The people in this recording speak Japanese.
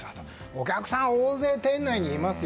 お客さん大勢、店内にいます。